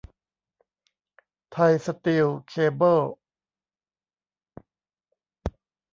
ไทยสตีลเคเบิล